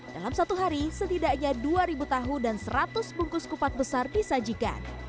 dalam satu hari setidaknya dua tahu dan seratus bungkus kupat besar disajikan